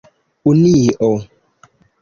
unio